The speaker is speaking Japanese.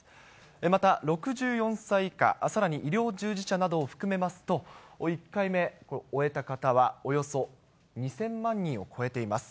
また６４歳以下、さらに医療従事者などを含めますと、１回目終えた方はおよそ２０００万人を超えています。